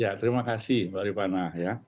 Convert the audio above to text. ya terima kasih mbak ripana